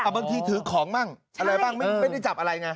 บางทีถือของบ้างอะไรบ้างไม่ได้จับอะไรไง